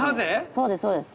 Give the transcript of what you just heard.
そうですそうです。